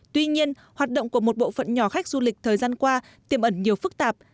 tuy nhiên hoạt động của một bộ phận nhỏ khách du lịch thời gian qua tiềm ẩn nhiều phức tạp